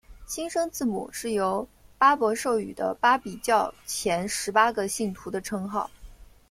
新生字母是由巴孛授予的巴比教前十八个信徒的称号。